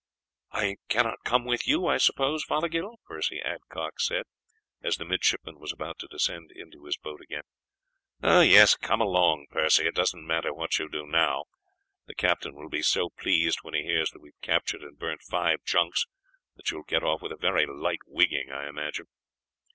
"I cannot come with you, I suppose, Fothergill?" Percy Adcock said, as the midshipman was about to descend into his boat again. "Yes, come along, Percy. It doesn't matter what you do now. The captain will be so pleased when he hears that we have captured and burnt five junks, that you will get off with a very light wigging, I imagine."